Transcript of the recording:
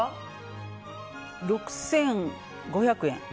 ６５００円。